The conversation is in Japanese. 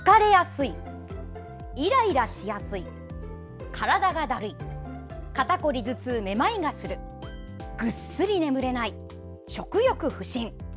疲れやすい、イライラしやすい体がだるい肩こり・頭痛・めまいがするぐっすり眠れない、食欲不振。